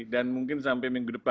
dan mungkin sampai minggu depan